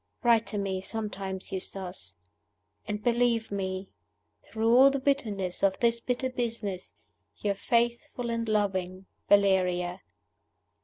"Write to me, sometimes, Eustace; and believe me, through all the bitterness of this bitter business, your faithful and loving "VALERIA."